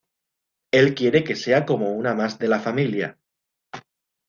Él quiere que sea como una más de la familia.